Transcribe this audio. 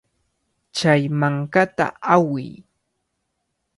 Chay mankata awiy.